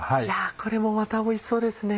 これもまたおいしそうですね！